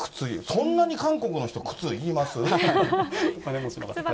そんなに韓国の人、靴いります？